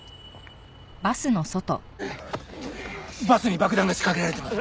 バスに爆弾が仕掛けられてます。